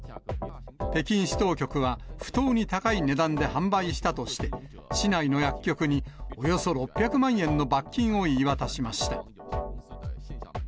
北京市当局は、不当に高い値段で販売したとして、市内の薬局におよそ６００万円の罰金を言い渡しました。